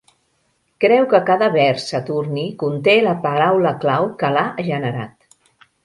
Creu que cada vers saturni conté la paraula clau que l'ha generat.